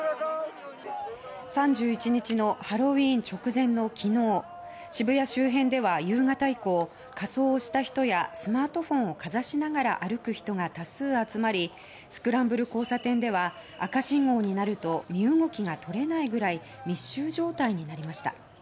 ３１日のハロウィーン直前の昨日渋谷周辺では夕方以降仮装をした人やスマートフォンをかざしながら歩く人が多数集まりスクランブル交差点では赤信号になると身動きがとれないぐらい密集状態になりました。